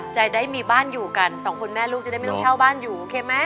จะได้มีบ้านอยู่กันสองคนแม่ลูกจะได้ไม่ต้องเช่าบ้านอยู่โอเคไหม